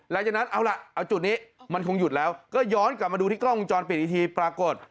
หลังจากนั้นเอาล่ะเอาจุดนี้มันคงหยุดแล้วก็ย้อนกลับมาดูที่กล้องวงจรปิดอีกทีปรากฏ